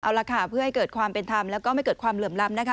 เอาละค่ะเพื่อให้เกิดความเป็นธรรมแล้วก็ไม่เกิดความเหลื่อมล้ำนะคะ